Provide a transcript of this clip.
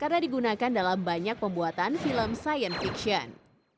karena digunakan dalam banyak pembuatan film science fiction